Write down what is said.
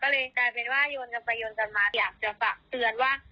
ก็เลยกลายเป็นว่าโยนกันไปโยนกันมาอยากจะฝากเตือนว่า